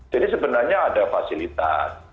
jadi sebenarnya ada fasilitas